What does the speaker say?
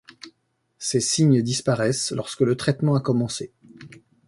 Ces signes disparaissent lorsque le traitement a commencé.